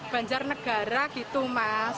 banjarnegara gitu mas